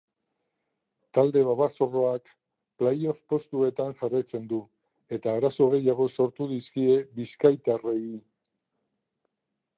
Talde babazorroak play-off postuetan jarraitzen du eta arazo gehiago sortu dizkie bizkaitarrei.